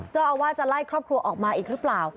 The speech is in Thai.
เจ้าอาวาสจะไล่ครอบครัวออกมาอีกหรือเปล่า